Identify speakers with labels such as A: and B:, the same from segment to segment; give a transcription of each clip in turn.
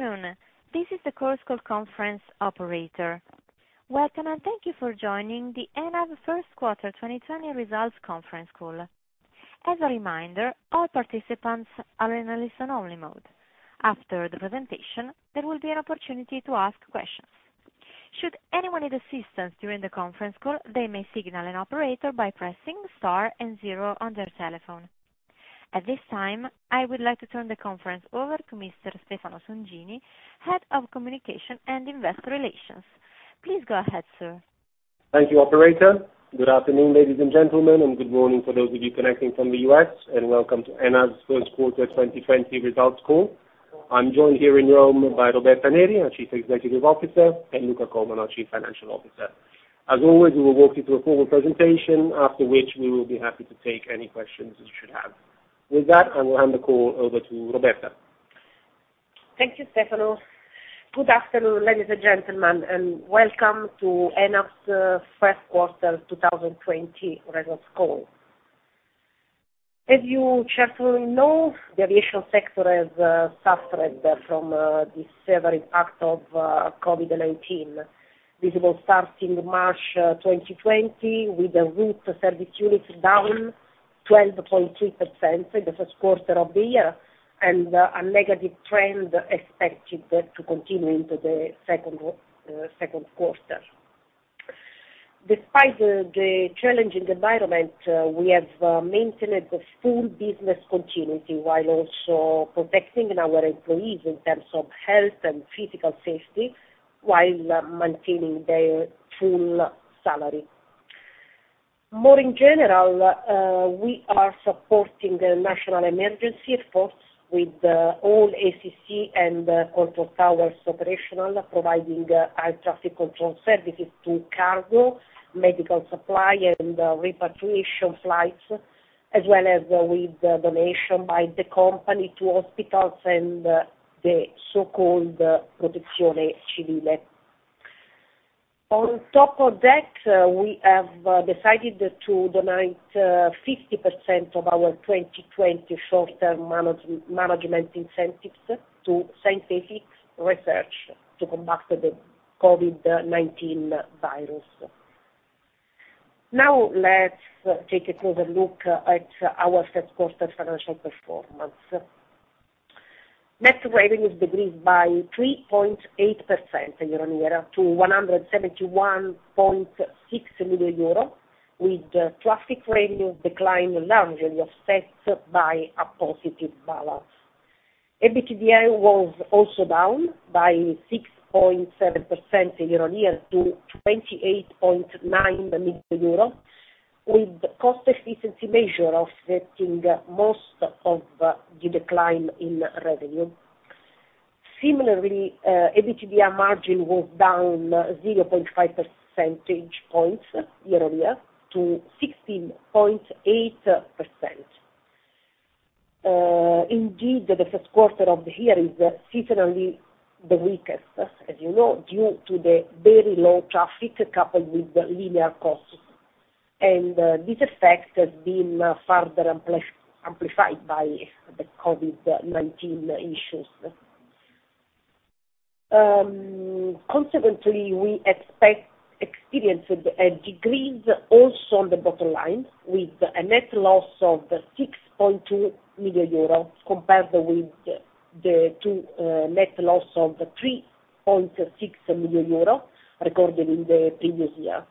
A: Good afternoon. This is the Chorus Call conference operator. Welcome, and thank you for joining the ENAV first quarter 2020 results conference call. As a reminder, all participants are in a listen-only mode. After the presentation, there will be an opportunity to ask questions. Should anyone need assistance during the conference call, they may signal an operator by pressing Star and Zero on their telephone. At this time, I would like to turn the conference over to Mr. Stefano Songini, Head of Communication and Investor Relations. Please go ahead, sir.
B: Thank you, operator. Good afternoon, ladies and gentlemen, and good morning for those of you connecting from the U.S., and welcome to ENAV's first quarter 2020 results call. I'm joined here in Rome by Roberta Neri, our Chief Executive Officer, and Luca Coleman, our Chief Financial Officer. As always, we will walk you through a formal presentation, after which we will be happy to take any questions you should have. With that, I will hand the call over to Roberta.
C: Thank you, Stefano. Good afternoon, ladies and gentlemen, and welcome to ENAV's first quarter 2020 results call. As you certainly know, the aviation sector has suffered from the severe impact of COVID-19, visible starting March 2020, with the route service units down 12.3% in the first quarter of the year, and a negative trend expected to continue into the second quarter. Despite the challenging environment, we have maintained the full business continuity while also protecting our employees in terms of health and physical safety while maintaining their full salary. More in general, we are supporting the national emergency force with all ACC and control towers operational, providing air traffic control services to cargo, medical supply, and repatriation flights, as well as with donation by the company to hospitals and the so-called Protezione Civile. On top of that, we have decided to donate 50% of our 2020 short-term management incentives to scientific research to combat the COVID-19 virus. Let's take a closer look at our first quarter financial performance. Net revenue decreased by 3.8% year-on-year to 171.6 million euro, with traffic revenue decline largely offset by a positive balance. EBITDA was also down by 6.7% year-on-year to 28.9 million euros, with cost efficiency measure offsetting most of the decline in revenue. Similarly, EBITDA margin was down 0.5 percentage points year-on-year to 16.8%. The first quarter of the year is seasonally the weakest, as you know, due to the very low traffic coupled with linear costs. This effect has been further amplified by the COVID-19 issues. We expect to experience a decrease also on the bottom line, with a net loss of 6.2 million euro compared with the net loss of 3.6 million euro recorded in the previous year,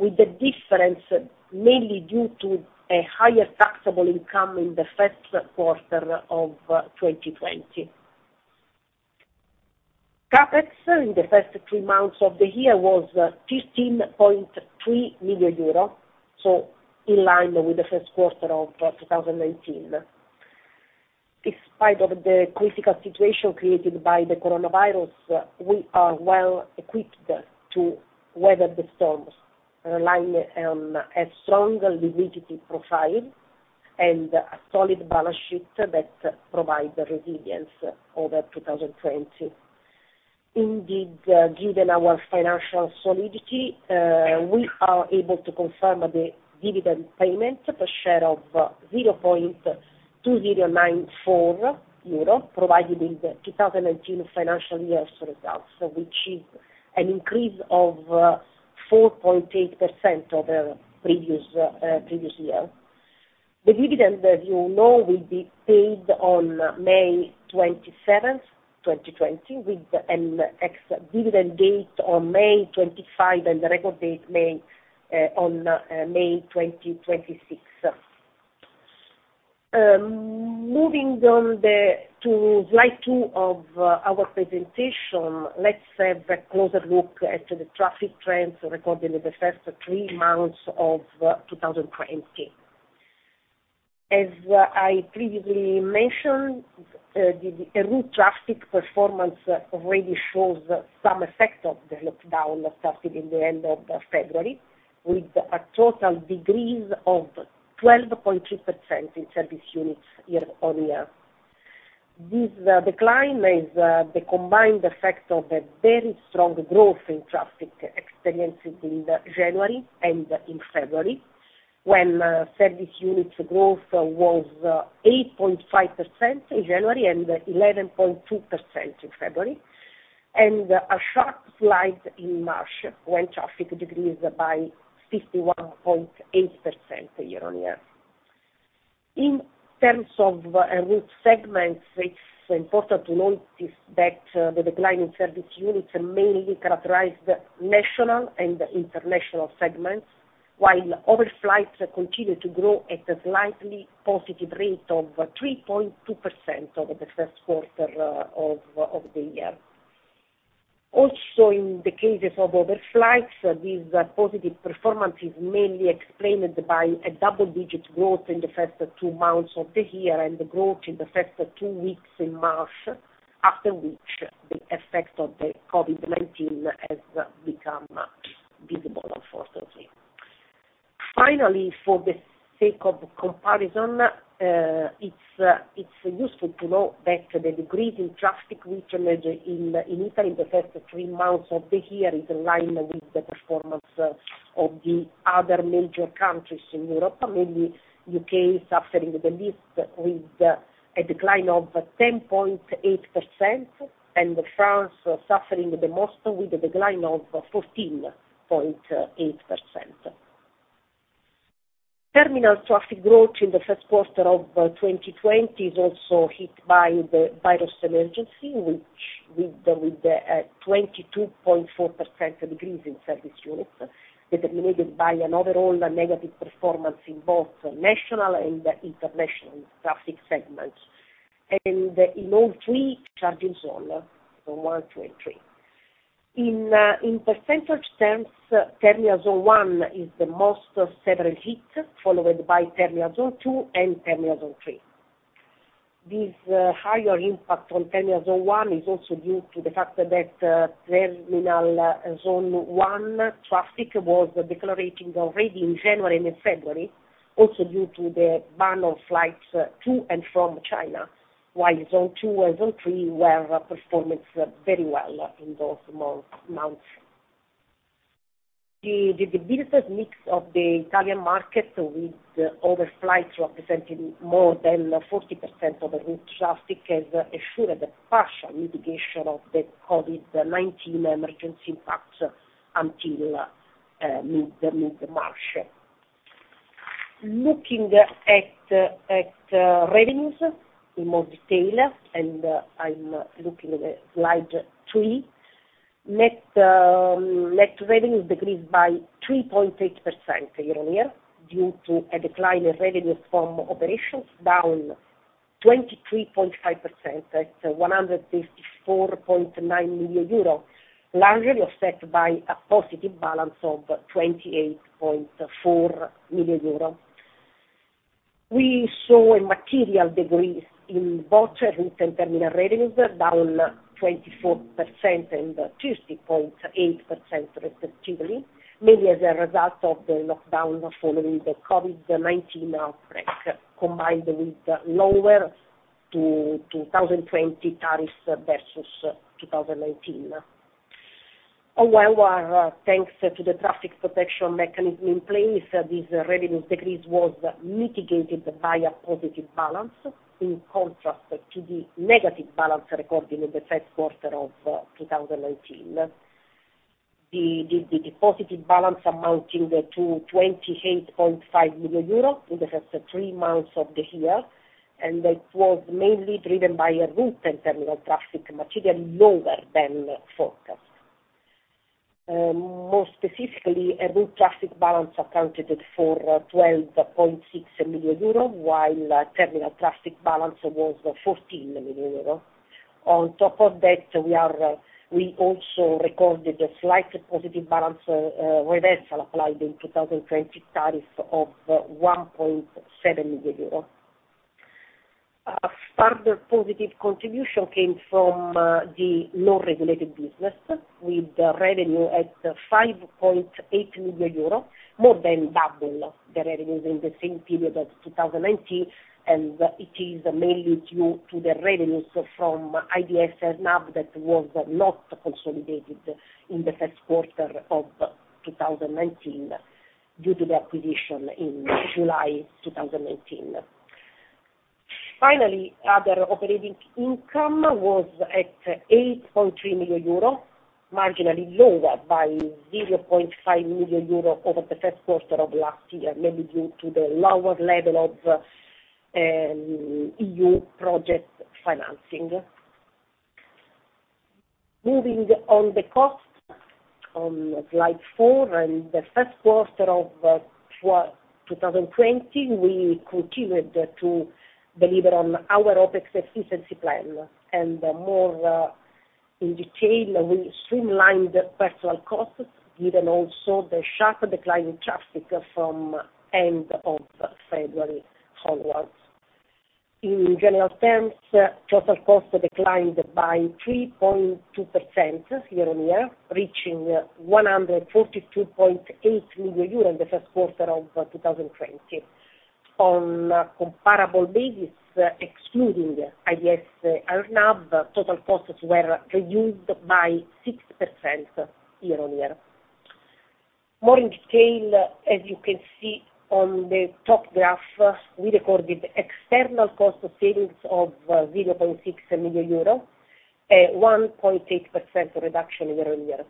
C: with the difference mainly due to a higher taxable income in the first quarter of 2020. CapEx in the first three months of the year was 15.3 million euro, in line with the first quarter of 2019. In spite of the critical situation created by the coronavirus, we are well equipped to weather the storms, relying on a strong liquidity profile and a solid balance sheet that provide resilience over 2020. Given our financial solidity, we are able to confirm the dividend payment per share of 0.2094 euro, provided in the 2019 financial year's results, which is an increase of 4.8% over previous year. The dividend, as you know, will be paid on May 27, 2020, with an ex-dividend date on May 25, and the record date on May 26. Moving on to slide two of our presentation, let's have a closer look at the traffic trends recorded in the first three months of 2020. As I previously mentioned, the route traffic performance already shows some effect of the lockdown that started in the end of February, with a total decrease of 12.3% in service units year-on-year. This decline is the combined effect of a very strong growth in traffic experienced in January and in February, when service units growth was 8.5% in January and 11.2% in February, and a sharp slide in March, when traffic decreased by 51.8% year-on-year. In terms of route segments, it's important to notice that the decline in service units mainly characterized national and international segments. Overflights continue to grow at a slightly positive rate of 3.2% over the first quarter of the year. In the cases of overflights, this positive performance is mainly explained by a double-digit growth in the first two months of the year, and growth in the first two weeks in March, after which the effect of the COVID-19 has become visible, unfortunately. For the sake of comparison, it's useful to know that the decrease in traffic registered in Italy in the first three months of the year is in line with the performance of the other major countries in Europe, mainly U.K. suffering the least with a decline of 10.8%, and France suffering the most with a decline of 14.8%. Terminal traffic growth in the first quarter of 2020 is also hit by the virus emergency, with a 22.4% decrease in service units, determined by an overall negative performance in both national and international traffic segments, and in all three charging zones, 1, 2, and 3. In percentage terms, terminal zone 1 is the most severely hit, followed by terminal zone 2 and terminal zone 3. This higher impact on terminal zone 1 is also due to the fact that terminal zone 1 traffic was decelerating already in January and in February, also due to the ban on flights to and from China, while zone 2 and zone 3 were performing very well in those months. The business mix of the Italian market, with overflights representing more than 40% of the route traffic, has assured a partial mitigation of the COVID-19 emergency impact until mid-March. Looking at revenues in more detail, I'm looking at slide three. Net revenue decreased by 3.8% year-on-year due to a decline in revenues from operations, down 23.5% at 154.9 million euro, largely offset by a positive balance of 28.4 million euro. We saw a material decrease in both route and terminal revenues, down 24% and 26.8%, respectively, mainly as a result of the lockdown following the COVID-19 outbreak, combined with lower than 2020 tariffs versus 2019. Thanks to the traffic protection mechanism in place, this revenue decrease was mitigated by a positive balance, in contrast to the negative balance recorded in the first quarter of 2019. The positive balance amounting to 28.5 million euros in the first three months of the year, it was mainly driven by a route and terminal traffic materially lower than forecast. More specifically, a route traffic balance accounted for 12.6 million euros, while terminal traffic balance was 14 million euros. On top of that, we also recorded a slight positive balance reversal applied in 2020 tariff of 1.7 million euros. A further positive contribution came from the non-regulated business, with revenue at 5.8 million euro, more than double the revenues in the same period of 2019. It is mainly due to the revenues from IDS AirNav that was not consolidated in the first quarter of 2019 due to the acquisition in July 2019. Finally, other operating income was at 8.3 million euro, marginally lower by 0.5 million euro over the first quarter of last year, mainly due to the lower level of EU project financing. Moving on the cost, on slide four. In the first quarter of 2020, we continued to deliver on our OPEX efficiency plan. More in detail, we streamlined personal costs given also the sharp decline in traffic from end of February onwards. In general terms, total cost declined by 3.2% year-on-year, reaching 142.8 million euro in the first quarter of 2020. On a comparable basis, excluding IDS AirNAV, total costs were reduced by 6% year-on-year. More in detail, as you can see on the top graph, we recorded external cost savings of 0.6 million euro, a 1.8% reduction year-on-year.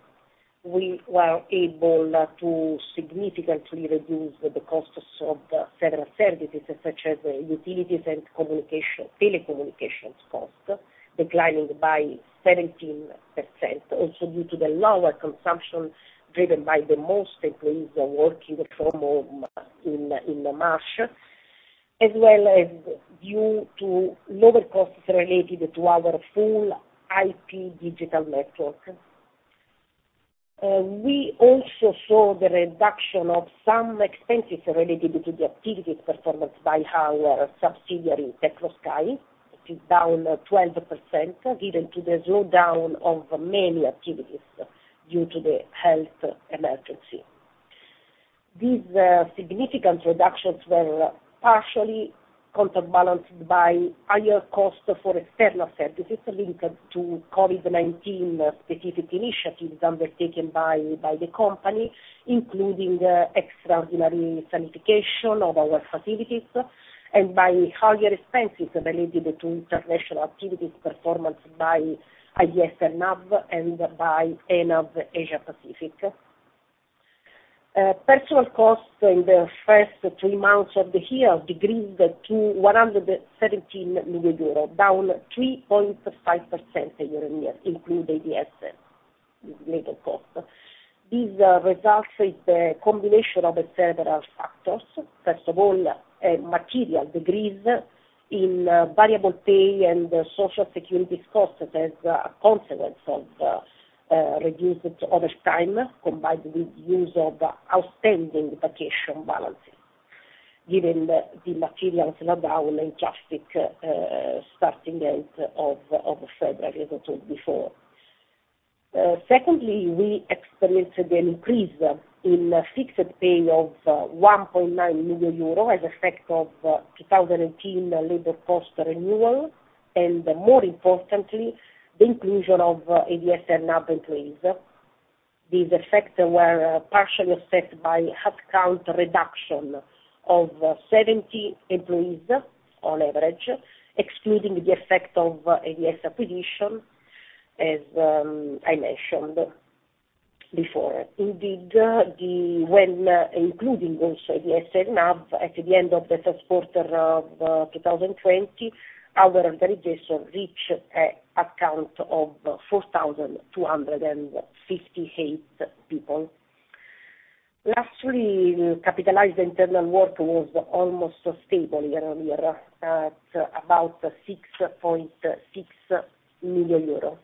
C: We were able to significantly reduce the costs of several services, such as utilities and telecommunications costs, declining by 17%, also due to the lower consumption driven by most employees working from home in March, as well as due to lower costs related to our full IP digital network. We also saw the reduction of some expenses related to the activities performed by our subsidiary, Techno Sky. It is down 12%, given the slowdown of many activities due to the health emergency. These significant reductions were partially counterbalanced by higher costs for external services linked to COVID-19 specific initiatives undertaken by the company, including extraordinary sanitization of our facilities, and by higher expenses related to international activities performed by IDS AirNav, and by ENAV Asia Pacific. Personnel costs in the first three months of the year decreased to 117 million euros, down 3.5% year-on-year, including IDS labor cost. These results is the combination of several factors. First of all, a material decrease in variable pay and social security costs as a consequence of reduced overtime, combined with use of outstanding vacation balances, given the material slowdown in traffic starting end of February, as I told before. Secondly, we experienced an increase in fixed pay of 1.9 million euro as effect of 2018 labor cost renewal, and more importantly, the inclusion of IDS AirNav employees. These effects were partially offset by headcount reduction of 70 employees on average, excluding the effect of IDS AirNav acquisition, as I mentioned before. Indeed, when including also IDS AirNav at the end of the first quarter of 2020, our organization reached a headcount of 4,258 people. Lastly, capitalized internal work was almost stable year-over-year at about 6.6 million euro.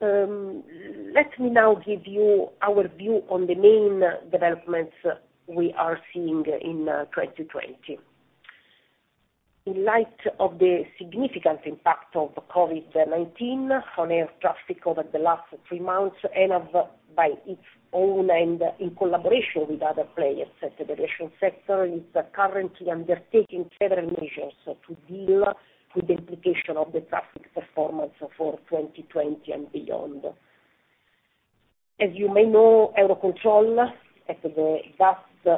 C: Let me now give you our view on the main developments we are seeing in 2020. In light of the significant impact of COVID-19 on air traffic over the last three months, ENAV, by its own and in collaboration with other players in the aviation sector, is currently undertaking several measures to deal with the implication of the traffic performance for 2020 and beyond. As you may know, EUROCONTROL, as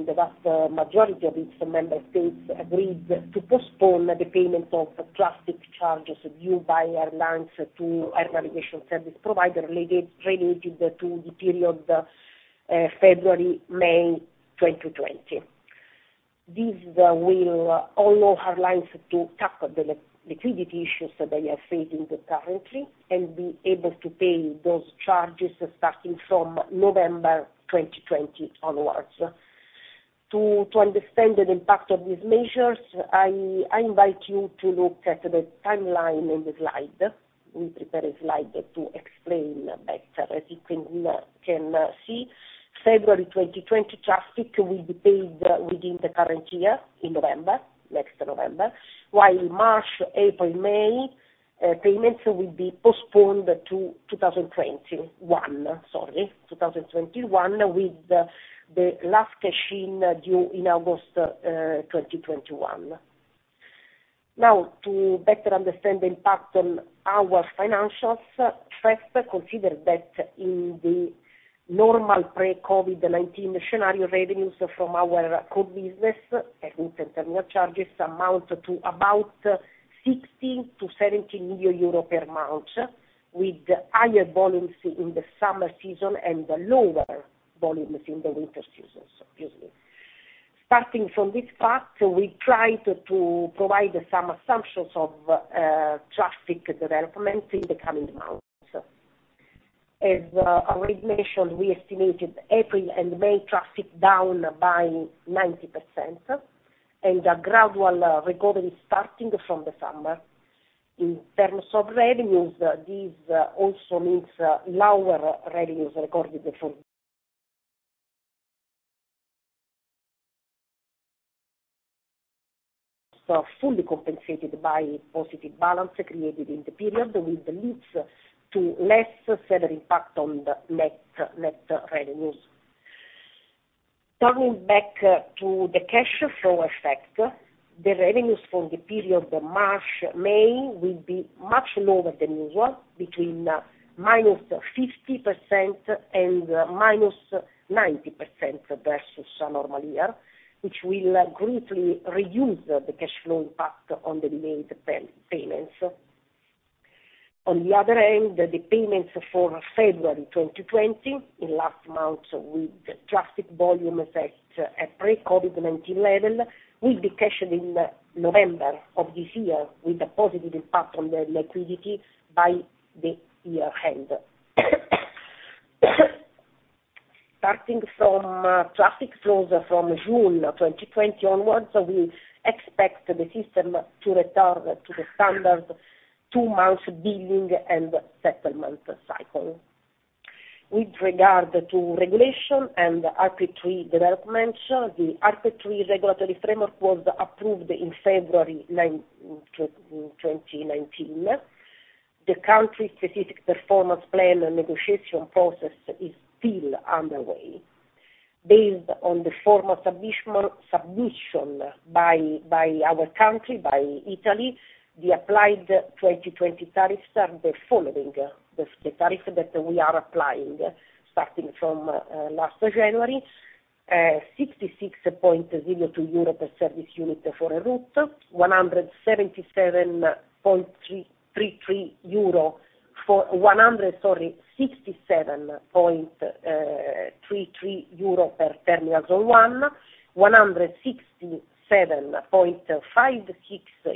C: the vast majority of its member states, agreed to postpone the payment of traffic charges due by airlines to air navigation service provider related to the period February, May 2020. This will allow airlines to tackle the liquidity issues that they are facing currently and be able to pay those charges starting from November 2020 onwards. To understand the impact of these measures, I invite you to look at the timeline in the slide. We prepared a slide to explain better. As you can see, February 2020 traffic will be paid within the current year in November, next November, while March, April, May payments will be postponed to 2021, with the last cash in due in August 2021. Now, to better understand the impact on our financials, first consider that in the normal pre-COVID-19 scenario, revenues from our core business, en route and terminal charges, amount to about 60 million-70 million euro per month, with higher volumes in the summer season and lower volumes in the winter seasons, usually. Starting from this fact, we tried to provide some assumptions of traffic development in the coming months. As already mentioned, we estimated April and May traffic down by 90%, and a gradual recovery starting from the summer. In terms of revenues, this also means lower revenues recorded fully compensated by positive balance created in the period, with leads to less severe impact on the net revenues. Turning back to the cash flow effect, the revenues for the period March, May will be much lower than usual, between -50%--90% versus a normal year, which will greatly reduce the cash flow impact on the delayed payments. On the other hand, the payments for February 2020 in last month with traffic volume effect at pre-COVID-19 level, will be cashed in November of this year with a positive impact on the liquidity by the year end. Starting from traffic flows from June 2020 onwards, we expect the system to return to the standard two-month billing and settlement cycle. With regard to regulation and RP3 developments, the RP3 regulatory framework was approved in February 2019. The country specific performance plan negotiation process is still underway. Based on the formal submission by our country, by Italy, the applied 2020 tariffs are the following. The tariff that we are applying, starting from last January, 66.02 euro per service unit for Enroute, 67.33 euro per Terminal 1, 167.56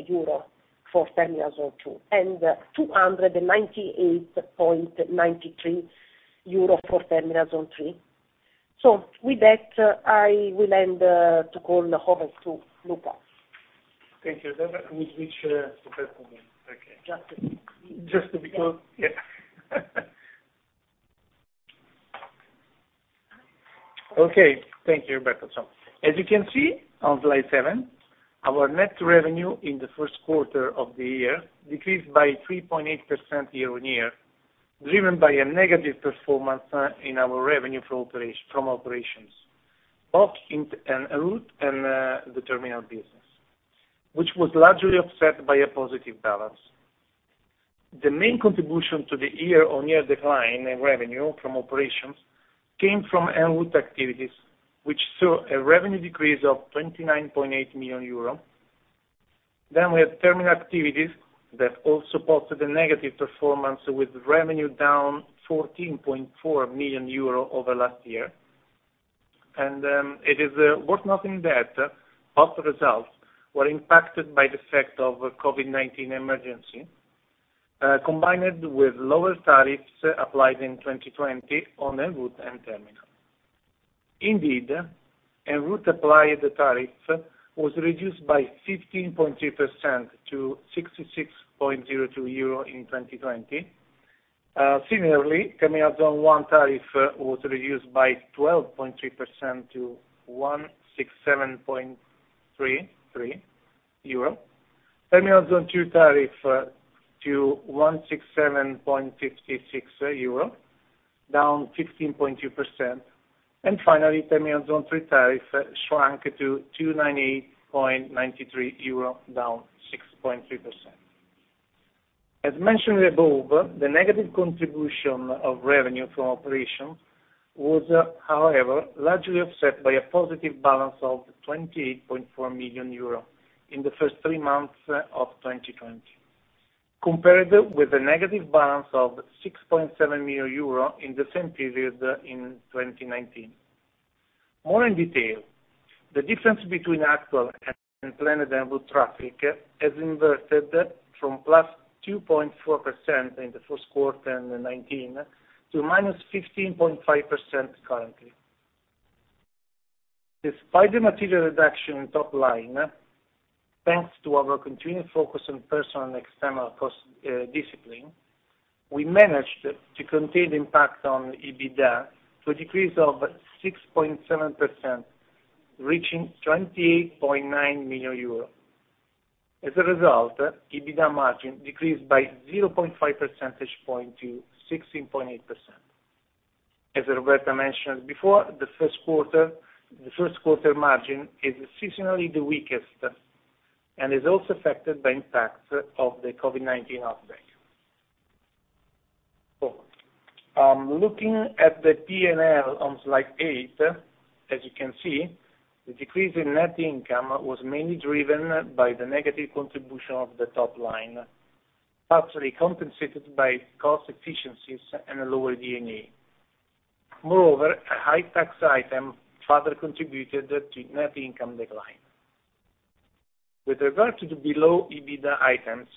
C: euro for Terminal 2, and 298.93 euro for Terminal 3. With that, I will hand to call over to Luca.
D: Thank you. We switch to inaudible. Okay.
C: Just.
D: Just to be clear. Yeah. Okay. Thank you, Roberta. As you can see on slide seven, our net revenue in the first quarter of the year decreased by 3.8% year-on-year, driven by a negative performance in our revenue from operations, both in Enroute and the Terminal business, which was largely offset by a positive balance. The main contribution to the year-on-year decline in revenue from operations came from Enroute activities, which saw a revenue decrease of 29.8 million euro. We have Terminal activities that also posted a negative performance with revenue down 14.4 million euro over last year. It is worth noting that both results were impacted by the effect of COVID-19 emergency, combined with lower tariffs applied in 2020 on Enroute and Terminal. Indeed, Enroute applied tariff was reduced by 15.3% to 66.02 euro in 2020. Similarly, Terminal Zone 1 tariff was reduced by 12.3% to EUR 167.33. Terminal Zone 2 tariff to 167.56 euro, down 15.2%. Finally, Terminal Zone 3 tariff shrunk to 298.93 euro, down 6.3%. As mentioned above, the negative contribution of revenue from operations was, however, largely offset by a positive balance of 28.4 million euro in the first three months of 2020, compared with a negative balance of 6.7 million euro in the same period in 2019. More in detail, the difference between actual and planned Enroute traffic has inverted from +2.4% in the first quarter in 2019 to -15.5% currently. Despite the material reduction in top line, thanks to our continued focus on personal and external cost discipline, we managed to contain the impact on EBITDA to a decrease of 6.7%, reaching 28.9 million euros. As a result, EBITDA margin decreased by 0.5 percentage point to 16.8%. As Roberta mentioned before, the first quarter margin is seasonally the weakest and is also affected by impacts of the COVID-19 outbreak. Looking at the P&L on slide eight, as you can see, the decrease in net income was mainly driven by the negative contribution of the top line, partially compensated by cost efficiencies and a lower D&A. Moreover, a high tax item further contributed to net income decline. With regard to the below EBITDA items,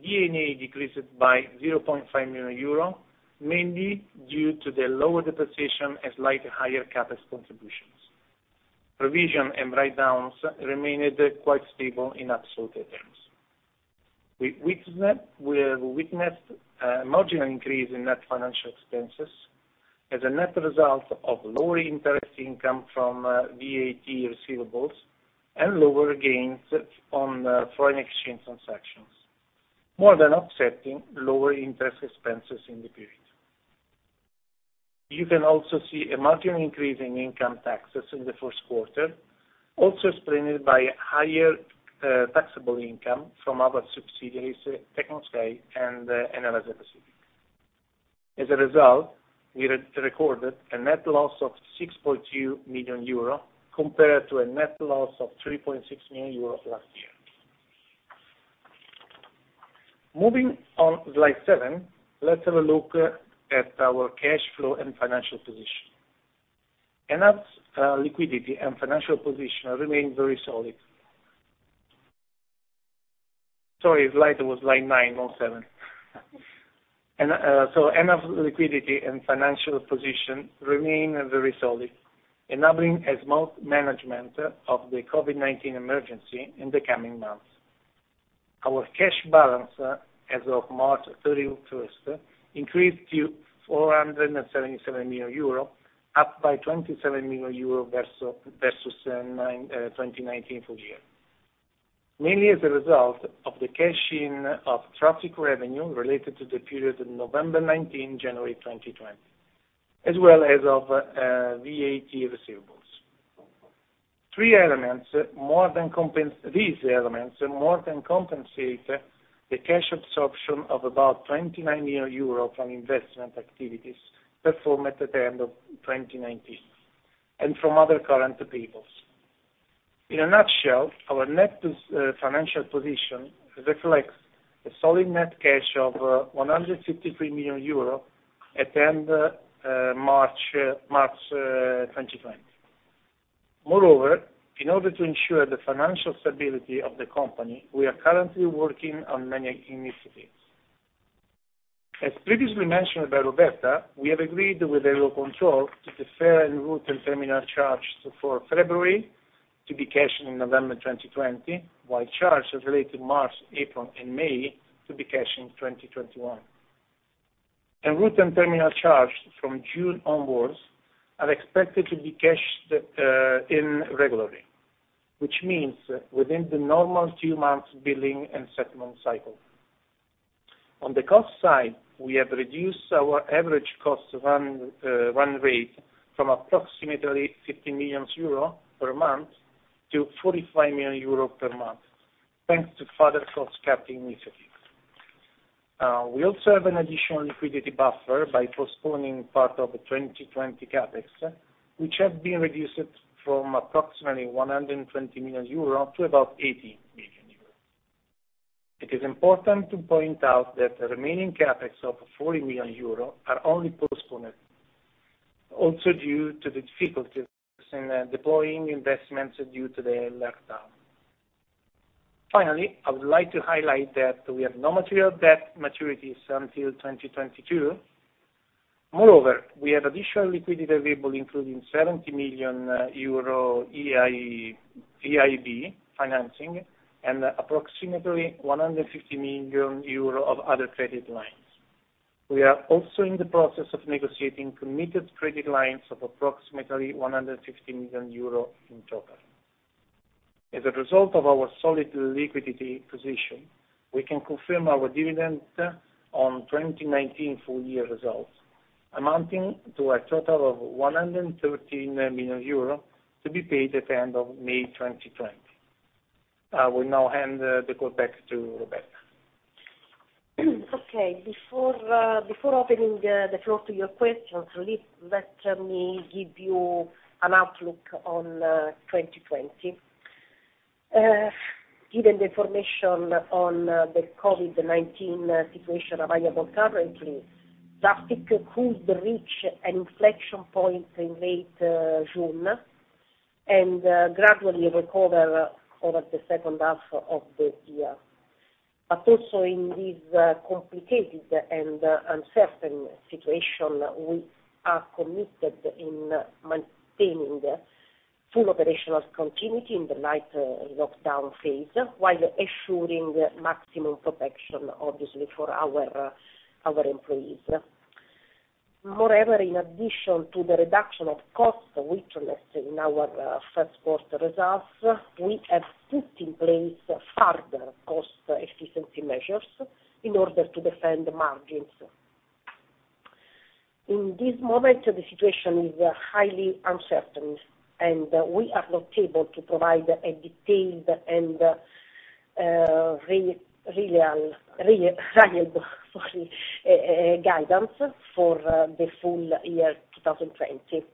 D: D&A decreased by 0.5 million euro, mainly due to the lower depreciation and slightly higher CapEx contributions. Provision and write-downs remained quite stable in absolute terms. We have witnessed a marginal increase in net financial expenses as a net result of lower interest income from VAT receivables and lower gains on foreign exchange transactions, more than offsetting lower interest expenses in the period. You can also see a marginal increase in income taxes in the first quarter, also explained by higher taxable income from our subsidiaries, Techno Sky and ENAV System. As a result, we had recorded a net loss of 6.2 million euro compared to a net loss of 3.6 million euro last year. Moving on slide seven, let's have a look at our cash flow and financial position. ENAV's liquidity and financial position remain very solid. Sorry, slide was slide nine, not seven. ENAV's liquidity and financial position remain very solid, enabling a smooth management of the COVID-19 emergency in the coming months. Our cash balance as of March 31st increased to 477 million euro, up by 27 million euro versus end 2019 full year, mainly as a result of the cash-in of traffic revenue related to the period November 2019, January 2020, as well as of VAT receivables. These elements more than compensate the cash absorption of about 29 million euro from investment activities performed at the end of 2019 and from other current payables. In a nutshell, our net financial position reflects a solid net cash of 153 million euro at end March 2020. Moreover, in order to ensure the financial stability of the company, we are currently working on many initiatives. As previously mentioned by Roberta, we have agreed with EUROCONTROL to defer en route and terminal charges for February to be cashed in November 2020, while charges related to March, April, and May to be cashed in 2021. En route and terminal charges from June onwards are expected to be cashed in regularly, which means within the normal two months billing and settlement cycle. On the cost side, we have reduced our average cost run rate from approximately 50 million euro per month to 45 million euro per month, thanks to further cost-cutting initiatives. We also have an additional liquidity buffer by postponing part of the 2020 CapEx, which has been reduced from approximately 120 million euro to about 80 million euro. It is important to point out that the remaining CapEx of 40 million euro are only postponed, also due to the difficulties in deploying investments due to the lockdown. Finally, I would like to highlight that we have no material debt maturities until 2022. Moreover, we have additional liquidity available, including 70 million euro EIB financing and approximately 150 million euro of other credit lines. We are also in the process of negotiating committed credit lines of approximately 160 million euro in total. As a result of our solid liquidity position, we can confirm our dividend on 2019 full year results, amounting to a total of 113 million euros to be paid at the end of May 2020. I will now hand the call back to Roberta.
C: Okay, before opening the floor to your questions, let me give you an outlook on 2020. Given the information on the COVID-19 situation available currently, traffic could reach an inflection point in late June and gradually recover over the second half of the year. Also in this complicated and uncertain situation, we are committed in maintaining full operational continuity in the light lockdown phase while ensuring maximum protection, obviously, for our employees. Moreover, in addition to the reduction of costs we witnessed in our first quarter results, we have put in place further cost efficiency measures in order to defend margins. In this moment, the situation is highly uncertain, and we are not able to provide a detailed and reliable guidance for the full year 2020.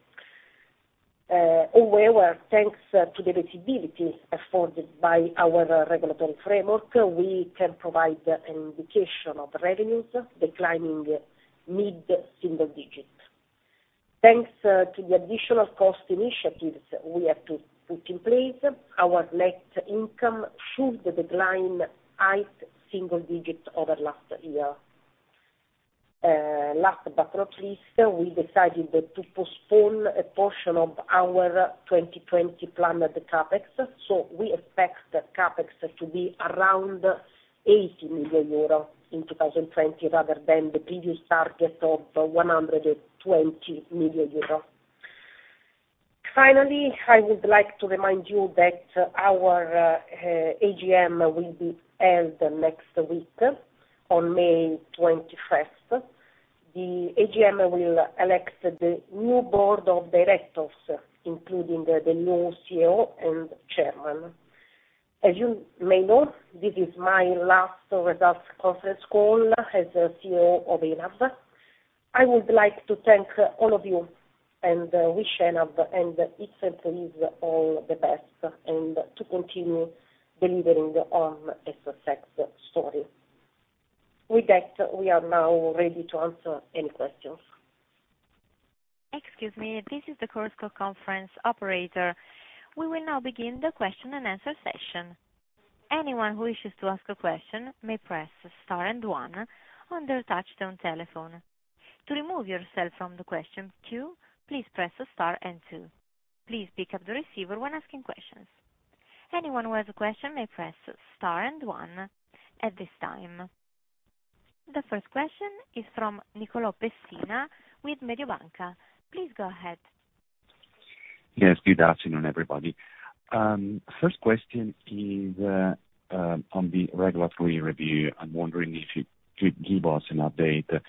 C: However, thanks to the flexibility afforded by our regulatory framework, we can provide an indication of revenues declining mid-single digits. Thanks to the additional cost initiatives we have put in place, our net income should decline high single digits over last year. Last but not least, we decided to postpone a portion of our 2020 planned CapEx. We expect CapEx to be around 80 million euro in 2020, rather than the previous target of 120 million euro. Finally, I would like to remind you that our AGM will be held next week, on May 21st. The AGM will elect the new board of directors, including the new CEO and Chairman. As you may know, this is my last results conference call as CEO of ENAV. I would like to thank all of you and wish ENAV and its employees all the best, and to continue delivering on a success story. With that, we are now ready to answer any questions.
A: Excuse me, this is the Chorus Call conference operator. We will now begin the question and answer session. Anyone who wishes to ask a question may press Star and One on their touch-tone telephone. To remove yourself from the question queue, please press Star and Two. Please pick up the receiver when asking questions. Anyone who has a question may press Star and One at this time. The first question is from Nicolò Pessina with Mediobanca. Please go ahead.
E: Yes, good afternoon, everybody. First question is on the regulatory review. I am wondering if you could give us an update. I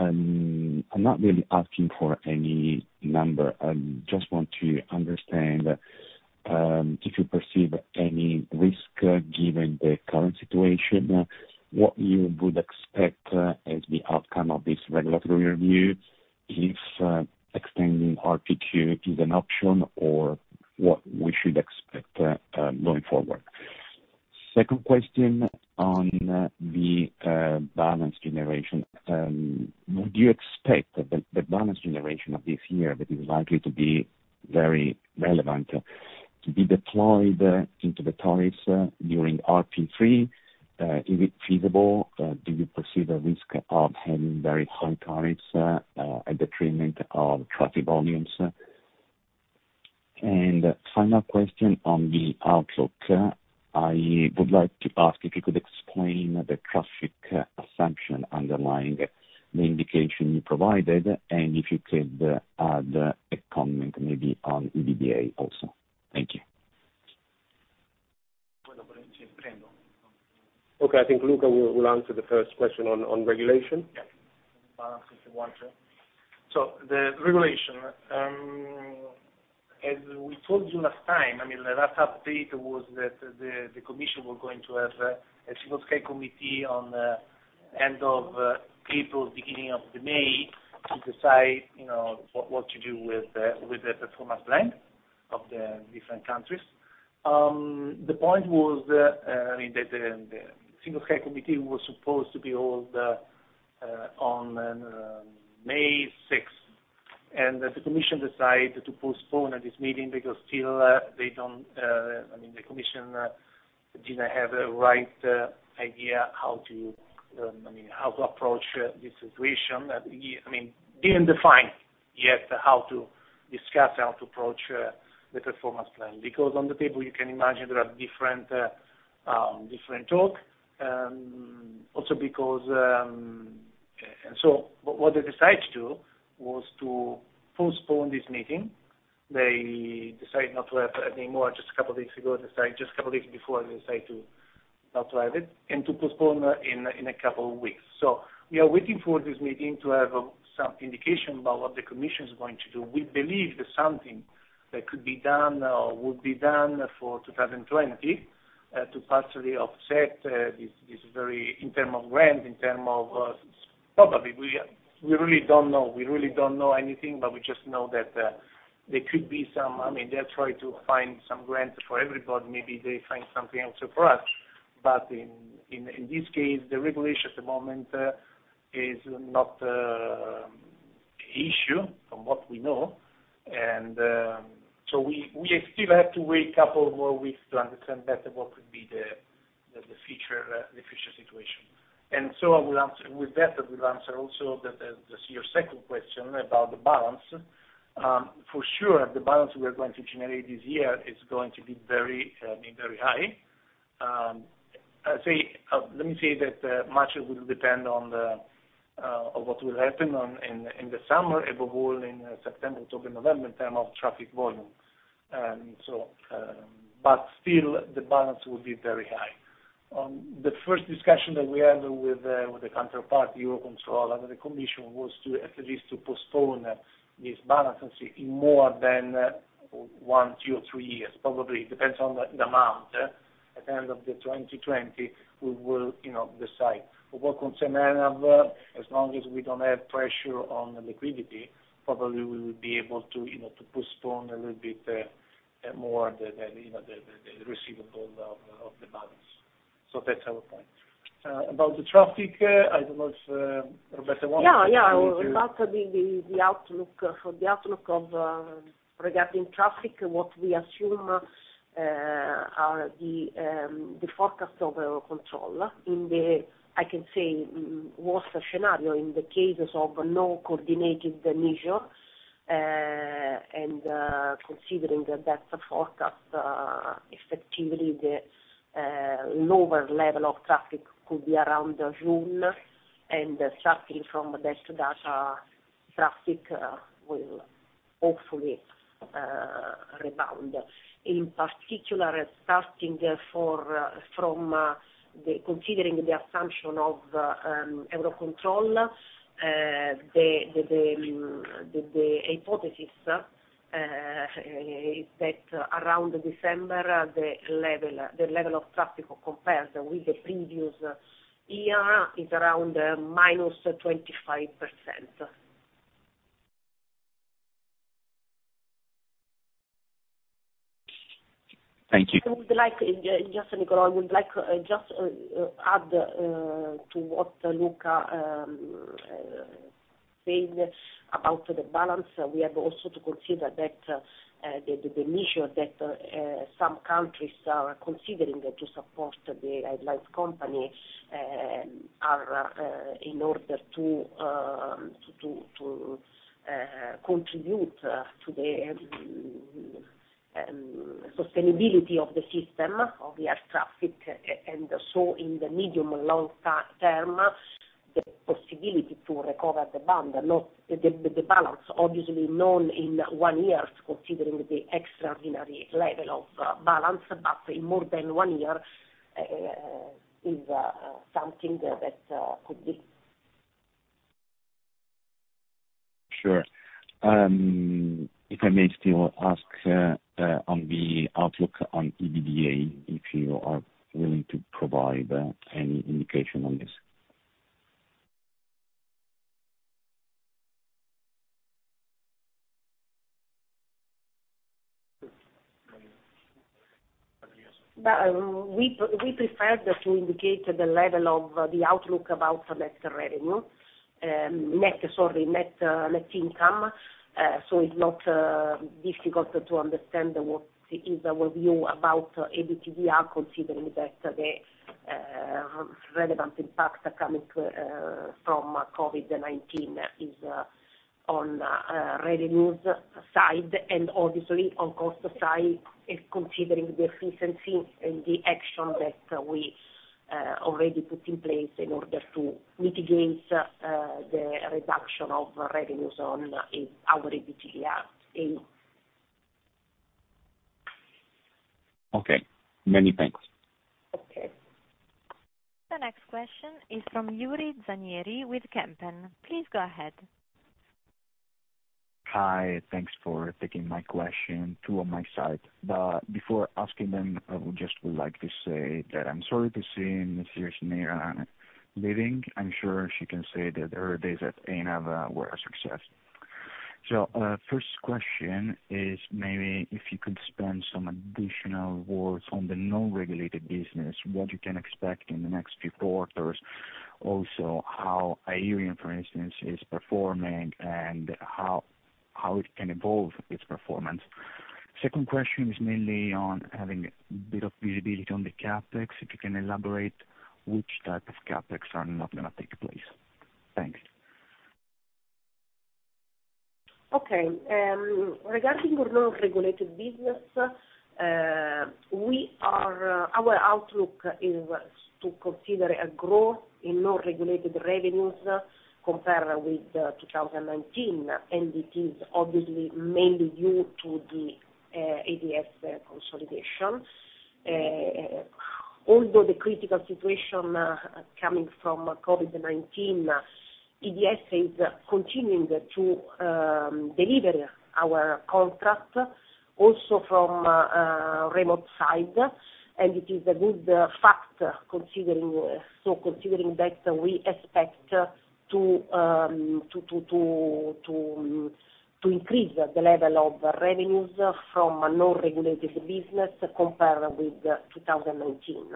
E: am not really asking for any number. I just want to understand if you perceive any risk given the current situation, what you would expect as the outcome of this regulatory review, if extending RP2 is an option or what we should expect going forward. Second question on the balance generation. Would you expect the balance generation of this year that is likely to be very relevant to be deployed into the tariffs during RP3? Is it feasible? Do you perceive a risk of having very high tariffs at the treatment of traffic volumes? Final question on the outlook. I would like to ask if you could explain the traffic assumption underlying the indication you provided, and if you could add a comment maybe on EBITDA, also. Thank you.
B: Okay, I think Luca will answer the first question on regulation.
D: Balance, if you want to. The regulation. As we told you last time, the last update was that the commission was going to have a Single Sky Committee on end of April, beginning of May, to decide what to do with the performance plan of the different countries. The point was that the Single Sky Committee was supposed to be held on May 6. The commission decided to postpone this meeting because still, the commission didn't have a right idea how to approach this situation. Didn't define yet how to discuss, how to approach the performance plan. On the table, you can imagine there are different talk. What they decided to do was to postpone this meeting. They decided not to have anymore just a couple of days ago. Just a couple of days before, they decided to not to have it, and to postpone in a couple of weeks. We are waiting for this meeting to have some indication about what the commission is going to do. We believe that something that could be done or would be done for 2020, to partially offset this very in term of grant. Probably. We really don't know anything, but we just know that there could be some. They'll try to find some grants for everybody. Maybe they find something also for us. In this case, the regulation at the moment is not a issue from what we know. We still have to wait a couple more weeks to understand better what could be the future situation. With that, we'll answer also your second question about the balance. For sure, the balance we are going to generate this year is going to be very high. Let me say that much will depend on what will happen in the summer, above all in September, October, November in term of traffic volume. Still, the balance will be very high. The first discussion that we had with the counterparty, EUROCONTROL and the commission was at least to postpone this balance in more than one, two or three years, probably. It depends on the amount. At the end of 2020, we will decide. For what concern ENAV, as long as we don't have pressure on liquidity, probably we will be able to postpone a little bit more the receivable of the balance. That's our point. About the traffic, I don't know if Roberta want to-
C: About the outlook regarding traffic, what we assume are the forecast of EUROCONTROL in the, I can say worst scenario, in the cases of no coordinated measure, and considering that the forecast, effectively, the lower level of traffic could be around June, and starting from that data, traffic will hopefully rebound. In particular, considering the assumption of EUROCONTROL, the hypothesis is that around December, the level of traffic compared with the previous year is around minus 25%.
E: Thank you.
C: I would like just, Nicolò, I would like just add to what Luca said about the balance. We have also to consider the measure that some countries are considering to support the airlines company in order to contribute to the sustainability of the system of air traffic. In the medium and long term, the possibility to recover the balance, obviously not in one year, considering the extraordinary level of balance, but in more than one year is something that could be.
E: Sure. If I may still ask on the outlook on EBITDA, if you are willing to provide any indication on this.
C: We prefer to indicate the level of the outlook about net income, so it's not difficult to understand what is our view about EBITDA, considering that the relevant impact coming from COVID-19 is on revenues side, and obviously on cost side, considering the efficiency and the action that we already put in place in order to mitigate the reduction of revenues on our EBITDA.
E: Okay. Many thanks.
C: Okay.
A: The next question is from Yuri Zanieri with Kempen. Please go ahead.
F: Hi. Thanks for taking my question. Two on my side. Before asking them, I just would like to say that I'm sorry to see Ms. Neri leaving. I'm sure she can say that her days at ENAV were a success. First question is maybe if you could spend some additional words on the non-regulated business, what you can expect in the next few quarters. Also, how Aireon, for instance, is performing and how it can evolve its performance. Second question is mainly on having a bit of visibility on the CapEx, if you can elaborate which type of CapEx are not going to take place. Thanks.
C: Okay. Regarding our non-regulated business, our outlook is to consider a growth in non-regulated revenues compared with 2019. It is obviously mainly due to the IDS consolidation. Although the critical situation coming from COVID-19, IDS is continuing to deliver our contract also from a remote side. It is a good factor considering. Considering that, we expect to increase the level of revenues from non-regulated business compared with 2019.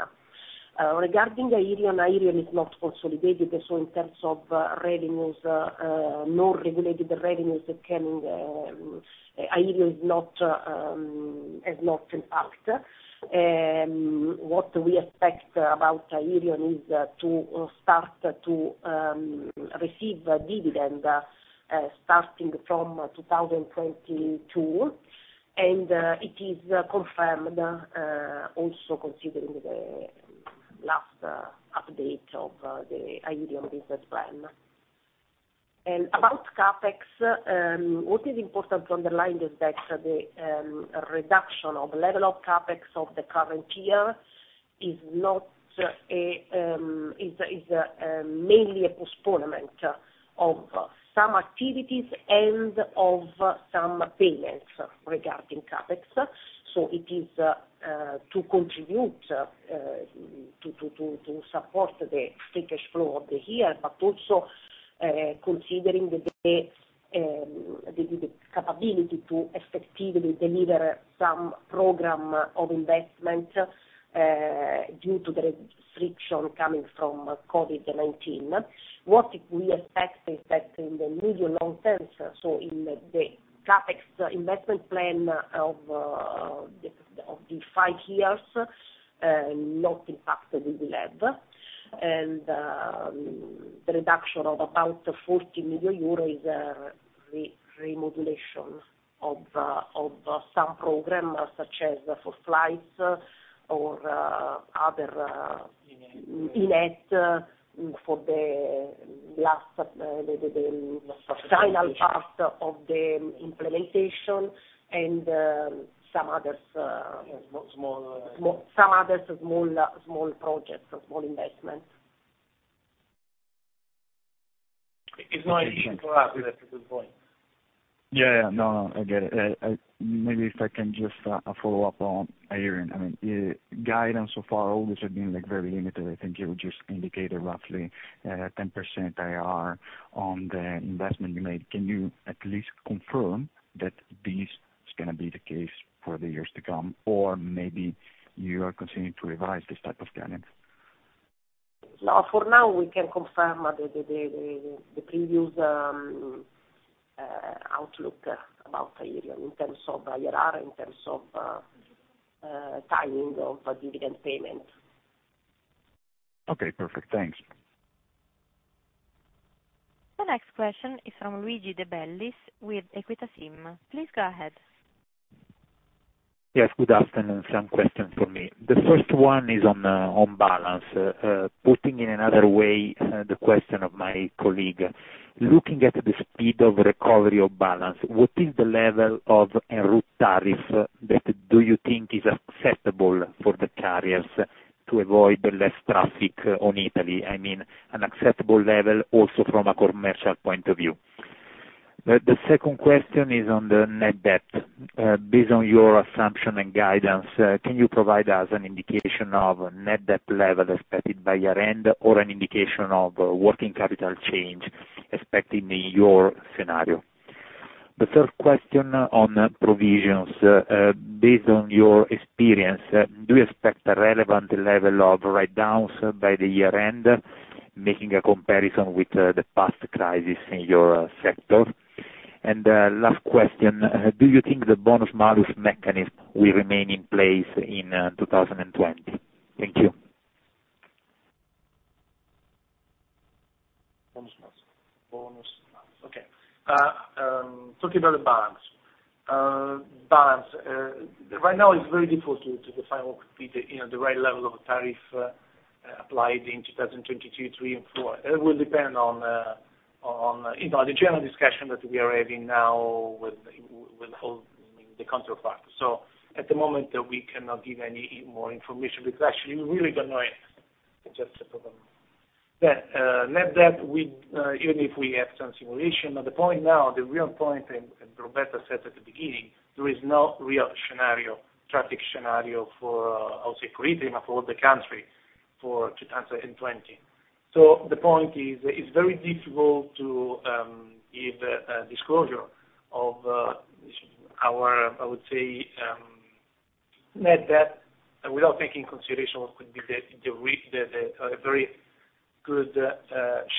C: Regarding Aireon is not consolidated. In terms of non-regulated revenues coming, Aireon has not impact. What we expect about Aireon is to start to receive dividend starting from 2022. It is confirmed also considering the last update of the Aireon business plan. About CapEx, what is important to underline is that the reduction of level of CapEx of the current year is mainly a postponement of some activities and of some payments regarding CapEx. It is to contribute to support the cash flow of the year, but also considering the capability to effectively deliver some program of investment due to the restriction coming from COVID-19. What we expect is that in the medium long-term, so in the CapEx investment plan of the five years, not impacted we believe. The reduction of about 40 million euros is a remodulation of some program, such as 4-Flight or other E-NET for the last, maybe the final part of the implementation and some others.
D: Some other.
C: Some other small projects, small investments.
D: It's not easy to wrap it at this point.
F: Yeah. No, I get it. Maybe if I can just follow up on Aireon. The guidance so far, all this had been very limited. I think you just indicated roughly 10% IRR on the investment you made. Can you at least confirm that this is going to be the case for the years to come, or maybe you are continuing to revise this type of guidance?
C: No, for now, we can confirm the previous outlook about the IRR, in terms of timing of dividend payment.
F: Okay, perfect. Thanks.
A: The next question is from Luigi De Bellis with Equita SIM. Please go ahead.
G: Yes, good afternoon. Some questions from me. The first one is on balance. Putting in another way, the question of my colleague. Looking at the speed of recovery of balance, what is the level of en route tariff that do you think is acceptable for the carriers to avoid less traffic on Italy? An acceptable level also from a commercial point of view. The second question is on the net debt. Based on your assumption and guidance, can you provide us an indication of net debt level expected by year-end or an indication of working capital change expected in your scenario? The third question on provisions. Based on your experience, do you expect a relevant level of write-downs by the year-end, making a comparison with the past crisis in your sector? Last question, do you think the bonus-malus mechanism will remain in place in 2020? Thank you.
D: Bonus-malus. Okay. Talking about the balance. Right now it's very difficult to define what could be the right level of tariff applied in 2022, 2023, and 2024. It will depend on the general discussion that we are having now with all the counterparty. At the moment, we cannot give any more information because actually, we really don't know it.
C: It's just a problem.
D: Net debt, even if we have some simulation, at the point now, the real point, Roberta said at the beginning, there is no real traffic scenario for Alitalia, for the country for 2020. The point is, it's very difficult to give a disclosure of our net debt, without taking consideration what could be the very good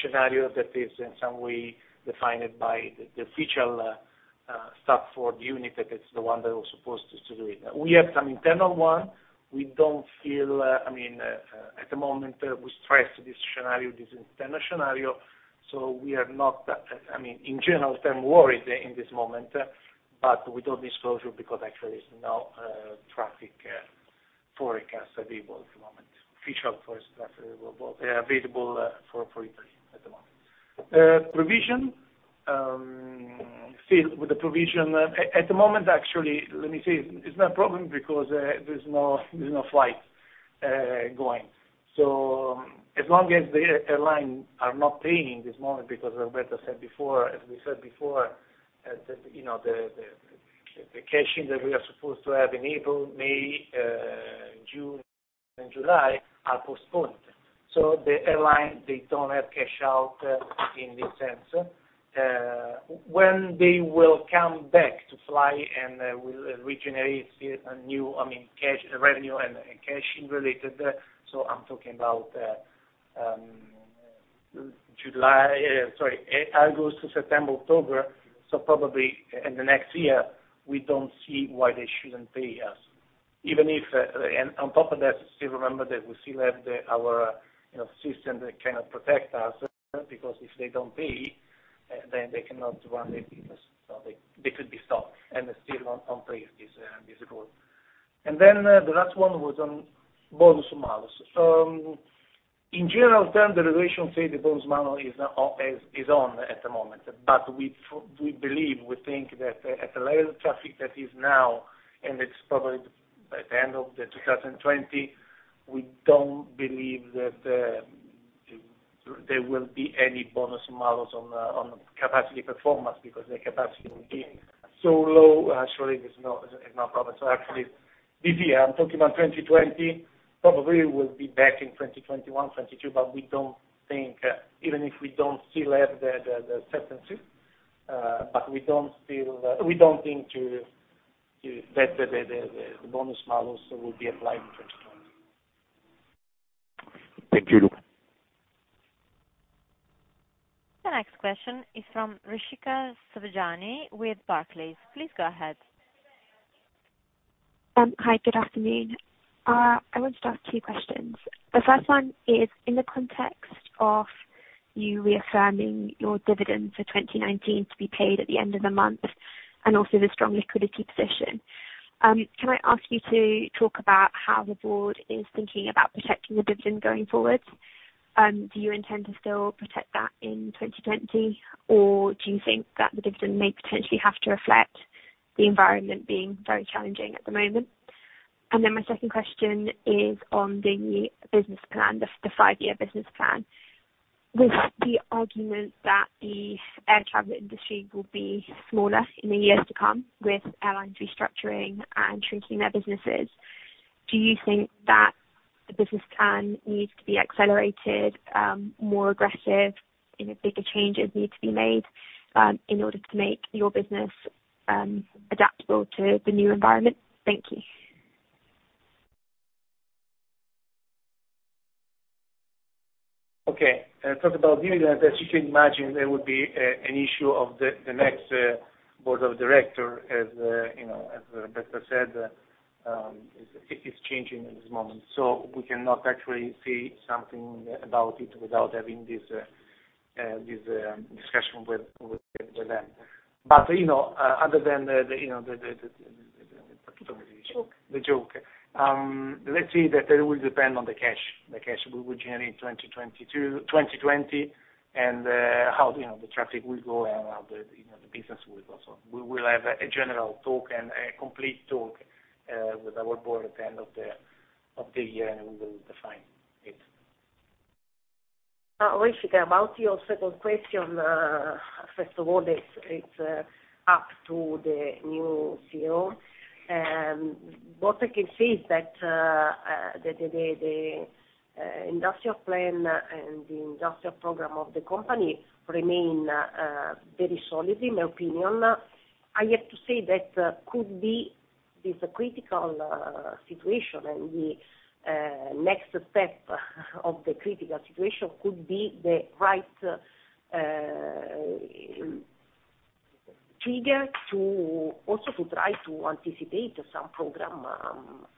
D: scenario that is in some way defined by the feature STATFOR the unit that is the one that was supposed to do it. We have some internal one. At the moment, we stress this scenario, this internal scenario. We are not, in general term, worried in this moment, we don't disclose it because actually, there's no traffic forecast available at the moment. Official forecast available for Italy at the moment. Provision. Still with the provision. At the moment, actually, let me say, it's not a problem because there's no flight going. As long as the airline are not paying this moment, because Roberta said before, as we said before, the cash-in that we are supposed to have in April, May, June, and July are postponed. The airline, they don't have cash out in this sense. When they will come back to fly and will regenerate a new cash revenue and cash-in related, I'm talking about August to September, October, probably in the next year, we don't see why they shouldn't pay us. On top of that, still remember that we still have our system that cannot protect us because if they don't pay, then they cannot run their business. They could be stopped and still not pay this bill. Then the last one was on bonus-malus. In general terms, the regulation says the bonus-malus is on at the moment. We believe, we think that at the level of traffic that is now, and it's probably by the end of 2020, we don't believe that there will be any bonus-malus on capacity performance because the capacity will be so low. Actually, it's no problem. Actually, this year, I'm talking about 2020. Probably will be back in 2021, 2022. Even if we don't still have the certainty, but we don't think that the bonus-malus will be applied in 2020.
G: Thank you, Luca.
A: The next question is from Rishika Savjani with Barclays. Please go ahead.
H: Hi, good afternoon. I wanted to ask two questions. The first one is, in the context of you reaffirming your dividend for 2019 to be paid at the end of the month, and also the strong liquidity position, can I ask you to talk about how the board is thinking about protecting the dividend going forward? Do you intend to still protect that in 2020, or do you think that the dividend may potentially have to reflect the environment being very challenging at the moment? My second question is on the five-year business plan. With the argument that the air travel industry will be smaller in the years to come, with airlines restructuring and shrinking their businesses, do you think that the business plan needs to be accelerated, more aggressive, bigger changes need to be made, in order to make your business adaptable to the new environment? Thank you.
D: Okay. Talk about dividend. As you can imagine, there would be an issue of the next Board of Directors. As Roberta said, it's changing in this moment. We cannot actually say something about it without having this discussion with them. Other than the joke. Let's say that it will depend on the cash we generate 2020, and how the traffic will go and how the business will go. We will have a general talk and a complete talk with our board at the end of the year, and we will define it.
C: Rishika, about your second question. First of all, it is up to the new CEO. What I can say is that the industrial plan and the industrial program of the company remain very solid, in my opinion. I have to say that could be this critical situation, and the next step of the critical situation could be the right trigger to also try to anticipate some program.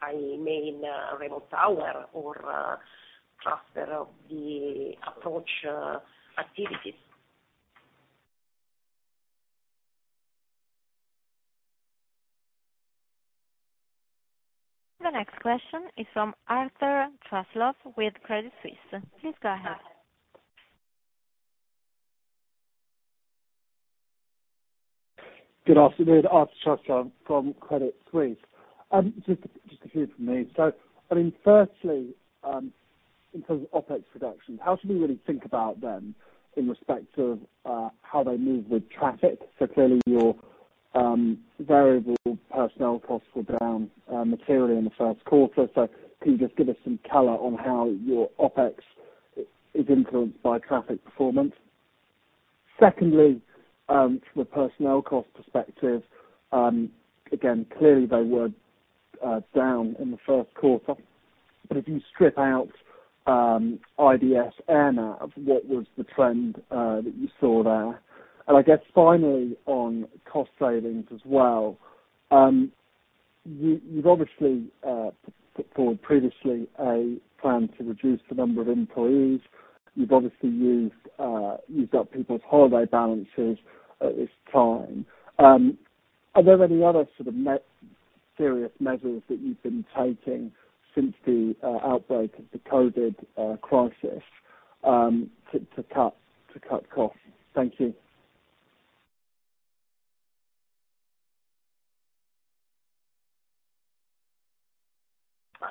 C: I mean, remote tower or transfer of the approach activities.
A: The next question is from Arthur Truslove with Credit Suisse. Please go ahead.
I: Good afternoon. Arthur Truslove from Credit Suisse. Just a few from me. Firstly, in terms of OPEX reduction, how should we really think about them in respect of how they move with traffic? Clearly your variable personnel costs were down materially in the first quarter. Can you just give us some color on how your OPEX is influenced by traffic performance? Secondly, from a personnel cost perspective, again, clearly they were down in the first quarter. If you strip out IDS AirNav, what was the trend that you saw there? I guess finally, on cost savings as well. You've obviously put forward previously a plan to reduce the number of employees. You've obviously got people's holiday balances at this time. Are there any other sort of serious measures that you've been taking since the outbreak of the COVID-19 crisis to cut costs? Thank you.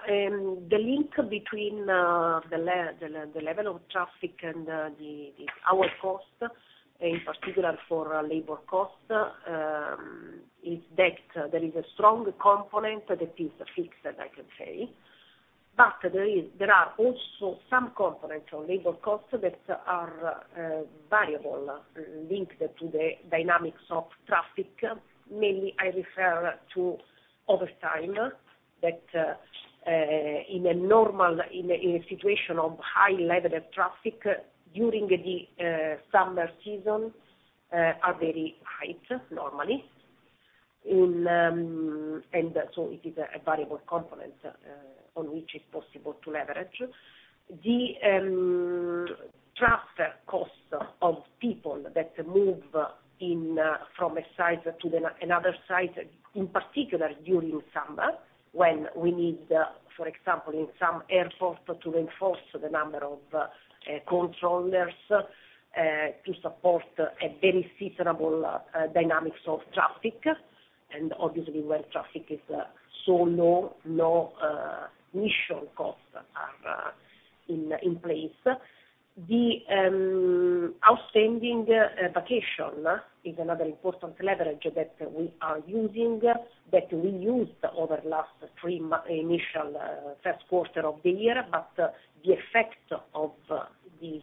C: The link between the level of traffic and our cost, in particular for labor cost, is that there is a strong component that is fixed, I can say. There are also some components on labor cost that are variable, linked to the dynamics of traffic. Mainly, I refer to overtime that in a situation of high level of traffic during the summer season are very high, normally. It is a variable component on which is possible to leverage. The transfer cost of people that move from a site to another site, in particular during summer, when we need, for example, in some airports, to reinforce the number of controllers to support a very seasonable dynamics of traffic. Obviously, when traffic is so low, mission costs are in place. The outstanding vacation is another important leverage that we are using, that we used over last initial first quarter of the year, but the effect of this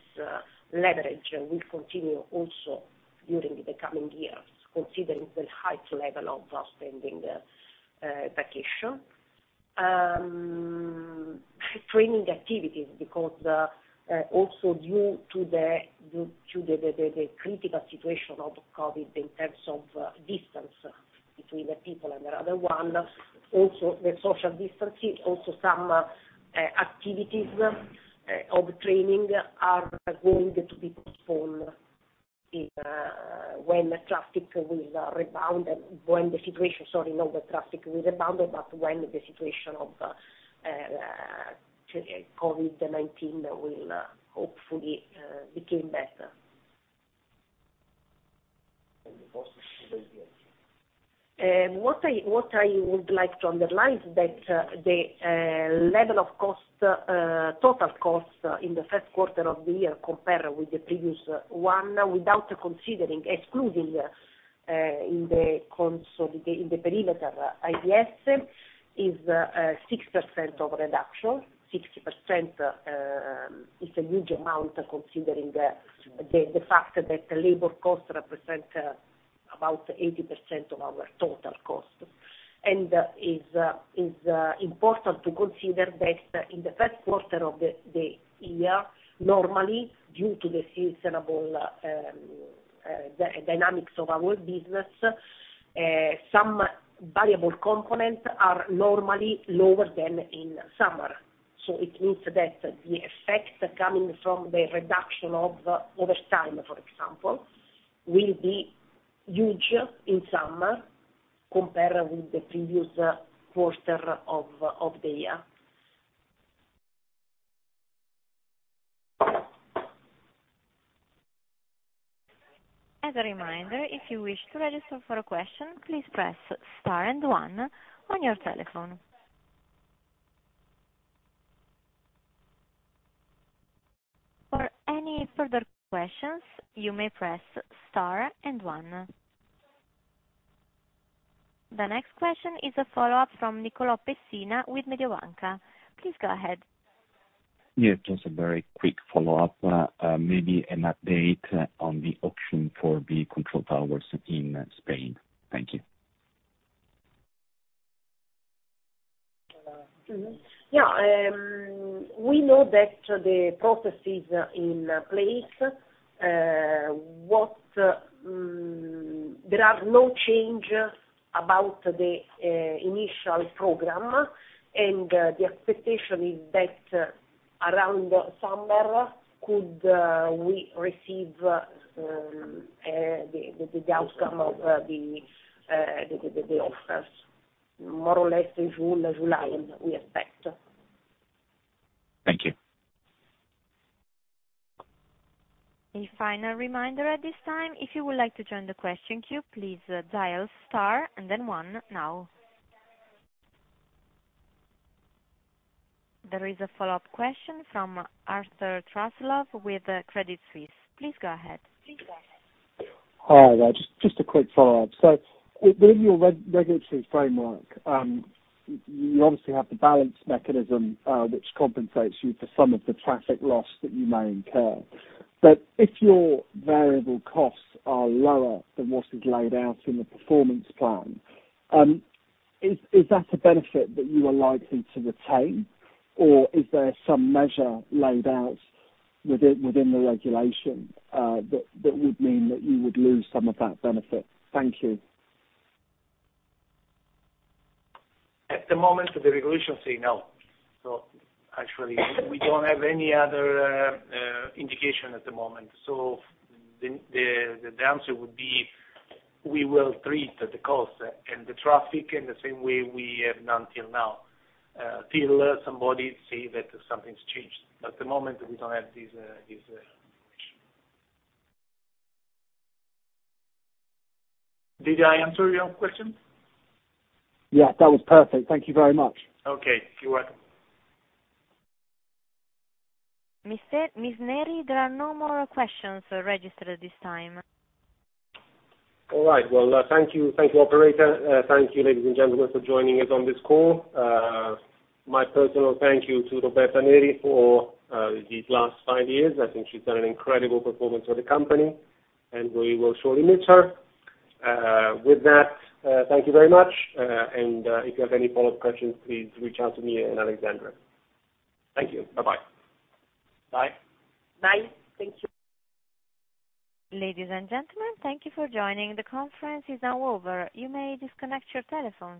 C: leverage will continue also during the coming years, considering the high level of outstanding vacation. Training activities, because also due to the critical situation of COVID in terms of distance between the people and the other one, also the social distancing, also some activities of training are going to be postponed when traffic will rebound. Sorry, not when the traffic will rebound, but when the situation of COVID-19 will hopefully become better.
B: The costs.
C: What I would like to underline is that the level of total costs in the first quarter of the year compared with the previous one, without considering, excluding in the perimeter, IDS, is 6% of reduction. 60% is a huge amount considering the fact that labor cost represent about 80% of our total cost. It's important to consider that in the first quarter of the year, normally due to the seasonable dynamics of our business, some variable components are normally lower than in summer. It means that the effect coming from the reduction of overtime, for example, will be huge in summer compared with the previous quarter of the year.
A: As a reminder, if you wish to register for a question, please press star and one on your telephone. For any further questions, you may press star and one. The next question is a follow-up from Nicolò Pessina with Mediobanca. Please go ahead.
E: Yeah, just a very quick follow-up. Maybe an update on the auction for the control towers in Spain. Thank you.
C: Yeah, we know that the process is in place. There are no changes about the initial program, and the expectation is that around summer, could we receive the outcome of the offers. More or less in July, we expect.
E: Thank you.
A: A final reminder at this time. If you would like to join the question queue, please dial star and then one now. There is a follow-up question from Arthur Truslove with Credit Suisse. Please go ahead.
I: Hi there. Just a quick follow-up. Within your regulatory framework, you obviously have the balance mechanism, which compensates you for some of the traffic loss that you may incur. If your variable costs are lower than what is laid out in the performance plan, is that a benefit that you are likely to retain, or is there some measure laid out within the regulation, that would mean that you would lose some of that benefit? Thank you.
B: At the moment, the regulations say no. Actually, we don't have any other indication at the moment. The answer would be, we will treat the cost and the traffic in the same way we have done till now, till somebody say that something's changed. At the moment, we don't have this information. Did I answer your question?
I: Yeah, that was perfect. Thank you very much.
B: Okay. You're welcome.
A: Ms. Neri, there are no more questions registered at this time.
B: All right, well, thank you. Thank you, operator. Thank you, ladies and gentlemen, for joining us on this call. My personal thank you to Roberta Neri for these last five years. I think she's done an incredible performance for the company, and we will surely miss her. With that, thank you very much, and if you have any follow-up questions, please reach out to me and Alexandra. Thank you. Bye-bye.
C: Bye. Thank you.
A: Ladies and gentlemen, thank you for joining. The conference is now over. You may disconnect your telephones.